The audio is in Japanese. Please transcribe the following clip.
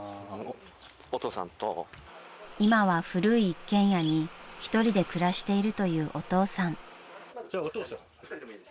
［今は古い一軒家に一人で暮らしているというお父さん］